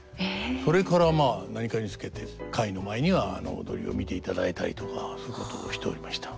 それからまあ何かにつけて会の前には踊りを見ていただいたりとかそういうことをしておりました。